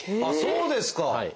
あっそうですか。